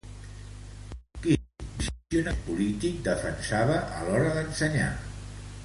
Quin posicionament polític defensava a l'hora d'ensenyar?